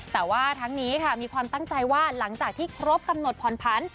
แต่ว่าทั้งนี้ค่ะมีความตั้งใจว่าหลังจากที่ครบกำหนดผ่อนผัน